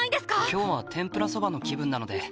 今日は天ぷらそばの気分なので。